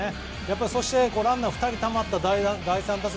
そしてランナーが２人たまった第３打席